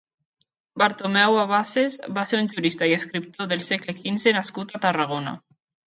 Bartomeu Avaces va ser un jurista i escriptor del segle quinze nascut a Tarragona.